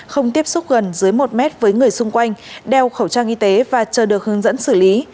không tiếp xúc gần dưới một mét với người xung quanh đeo khẩu trang y tế và chờ được hướng dẫn xử lý